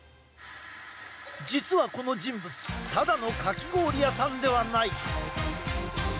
実は、この人物ただのかき氷屋さんではない。